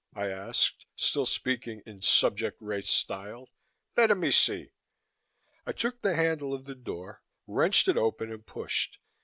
I asked, still speaking in subject race style. "Letta me see!" I took the handle of the door, wrenched it open and pushed.